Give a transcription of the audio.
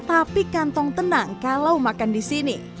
tapi kantong tenang kalau makan di sini